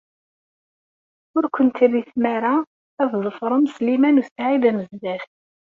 Ur ken-terri tmara ad tḍefrem Sliman u Saɛid Amezdat.